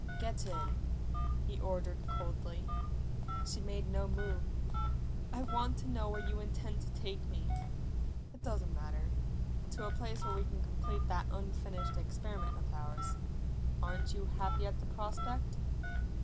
"Get in!" he ordered coldly. She made no move. "I want to know where you intend to take me." "It doesn't matter. To a place where we can complete that unfinished experiment of ours. Aren't you happy at the prospect?"